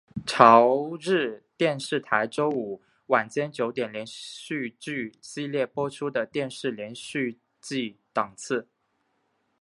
朝日电视台周五晚间九点连续剧系列播出的电视连续剧档次。